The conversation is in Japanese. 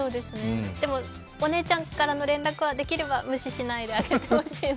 でもお姉ちゃんからの連絡はできれば無視しないであげてほしいな。